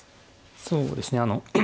そうですね。